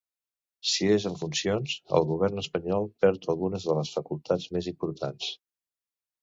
Si és en funcions, el govern espanyol perd algunes de les facultats més importants.